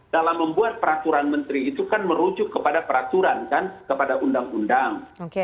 dalam membuat peraturan menteri itu kan merujuk kepada peraturan kan kepada undang undang